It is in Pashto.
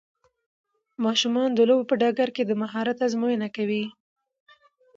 ماشومان د لوبو په ډګر کې د مهارت ازموینه کوي.